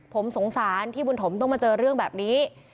ผมสงสารที่บุญถมต้องมาเจอเรื่องแบบนี้